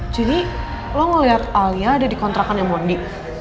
jadi lo ngeliat alia ada di kontrakannya mondi